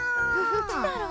どっちだろうね？